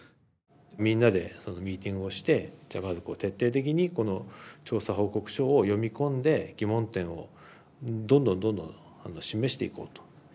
みんなでミーティングをしてじゃあまず徹底的にこの調査報告書を読み込んで疑問点をどんどんどんどん示していこうと。